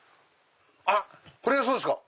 あっこれがそうですか！